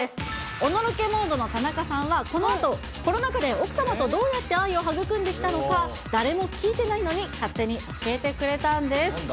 おのろけモードの田中さんはこのあと、コロナ禍で奥様とどうやって愛を育んできたのか、誰も聞いてないのに、勝手に教えてくれたんです。